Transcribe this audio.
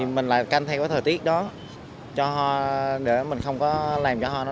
mình lại canh theo thời tiết đó để không làm cho hoa nở